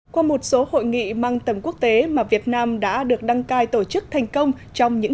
qua một số hội nghị mang tầm quốc tế mà việt nam đã được đăng cai tổ chức thành công trong những